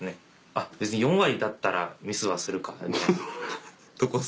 あっ別に４割だったらミスはするか。